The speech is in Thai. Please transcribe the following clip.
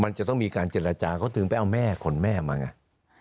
มันจะต้องมีการเจรจาเขาถึงไปเอาแม่ขนแม่มาไง